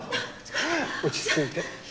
落ち着いて。